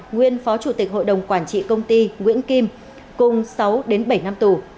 nguyên phó chủ tịch hội đồng quản trị công ty nguyễn kim cùng sáu đến bảy năm tù